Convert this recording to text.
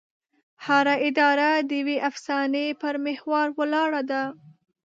هره اداره د یوې افسانې پر محور ولاړه ده.